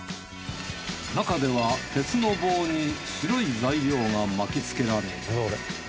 中では鉄の棒に白い材料が巻きつけられ。